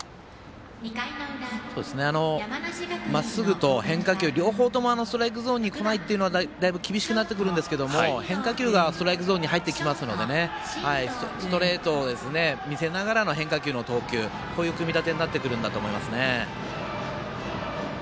まっすぐと変化球両方ともストライクゾーンにこないっていうのはだいぶ厳しくなってくるんですけど変化球がストライクゾーンに入ってきますのでストレート見せながらの変化球の投球こういう組み立てになってくると思います。